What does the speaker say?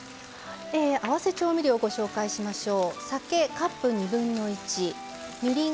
合わせ調味料をご紹介しましょう。